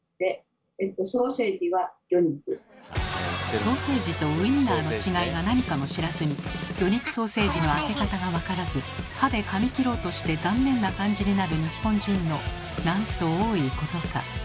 ソーセージとウインナーの違いが何かも知らずに魚肉ソーセージの開け方が分からず歯でかみ切ろうとして残念な感じになる日本人のなんと多いことか。